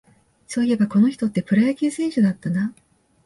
そういえば、この人ってプロ野球選手だったな